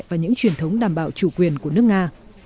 và những truyền thống đảm bảo chủ quyền của nước nga